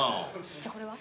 じゃこれは？